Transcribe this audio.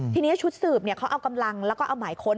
ทีนี้ชุดสืบเขาเอากำลังแล้วก็เอาหมายค้น